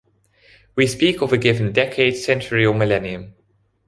We speak of a given decade, century, or millennium.